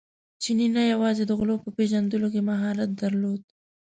چیني نه یوازې د غلو په پېژندلو کې مهارت درلود.